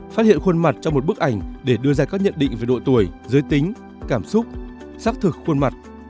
phát hiện khuôn mặt trong một bức ảnh để đưa ra các nhận định về độ tuổi giới tính cảm xúc xác thực khuôn mặt